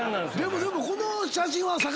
でもでもこの写真は。